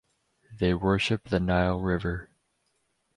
They worship the Nile River.